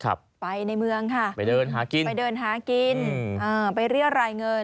ครับไปในเมืองค่ะไปเดินหากินไปเดินหากินอ่าไปเรียรายเงิน